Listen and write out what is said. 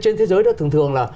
trên thế giới đó thường thường là